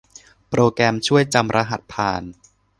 โปรแกรมช่วยจำรหัสผ่าน